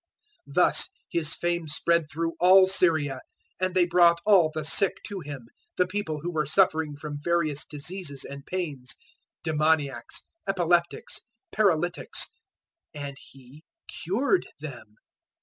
004:024 Thus His fame spread through all Syria; and they brought all the sick to Him, the people who were suffering from various diseases and pains demoniacs, epileptics, paralytics; and He cured them.